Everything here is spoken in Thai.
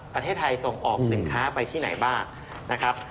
ประเทศไทยส่งออกสินค้าไปที่ไหนบ้างนะครับ